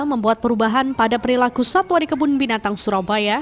membuat perubahan pada perilaku satwa di kebun binatang surabaya